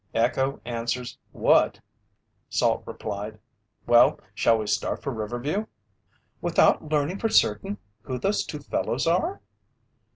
"Echo answers 'what'," Salt replied. "Well, shall we start for Riverview?" "Without learning for certain who those two fellows are?"